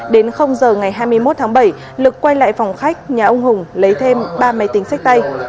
đến giờ ngày hai mươi một tháng bảy lực quay lại phòng khách nhà ông hùng lấy thêm ba máy tính sách tay